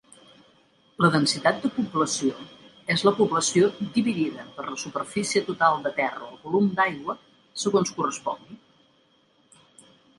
La densitat de població és la població dividida per la superfície total de terra o volum d'aigua, segons correspongui.